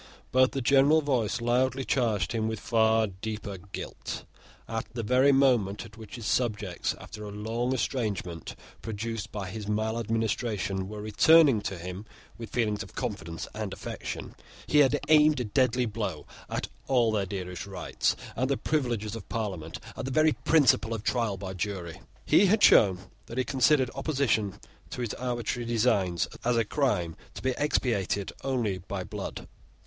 But the general voice loudly charged him with far deeper guilt. At the very moment at which his subjects, after a long estrangement produced by his maladministration, were returning to him with feelings of confidence and affection, he had aimed a deadly blow at all their dearest rights, at the privileges of Parliament, at the very principle of trial by jury. He had shown that he considered opposition to his arbitrary designs as a crime to be expiated only by blood.